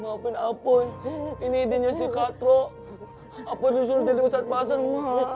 maafin apoy ini dia si katro apa disuruh jadi usat basah